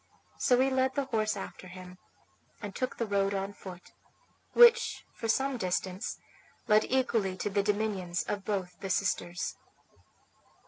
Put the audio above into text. So he led the horse after him, and took the road on foot, which for some distance led equally to the dominions of both the sisters.